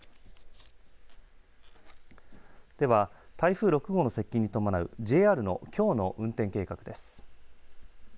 では、台風６号の接近に伴うＪＲのきょうの運転計画です。